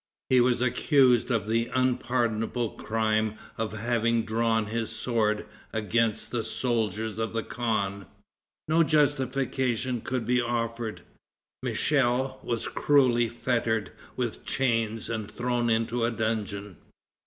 He was accused of the unpardonable crime of having drawn his sword against the soldiers of the khan. No justification could be offered. Michel was cruelly fettered with chains and thrown into a dungeon.